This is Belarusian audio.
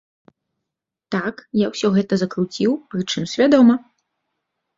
Так, я ўсё гэта закруціў, прычым свядома.